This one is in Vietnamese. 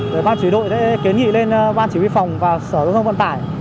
để ban chỉ huy đội kế nhị lên ban chỉ huy phòng và sở giao thông vận tải